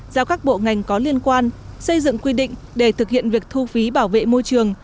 giao các bộ ngành có liên quan xây dựng quy định để thực hiện việc thu phí bảo vệ môi trường